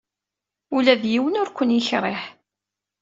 Ula d yiwen ur ken-yekṛih.